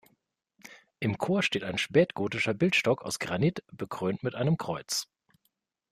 Im Chor steht ein spätgotischer Bildstock aus Granit, bekrönt mit einem Kreuz.